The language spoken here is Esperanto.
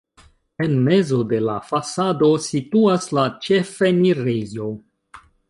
En mezo de la fasado situas la ĉefenirejo.